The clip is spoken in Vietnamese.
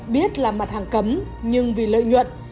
biết là mặt hàng cấm nhưng vì lợi nhuận